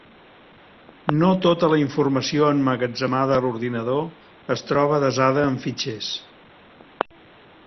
No tota la informació emmagatzemada a l'ordinador es troba desada en fitxers.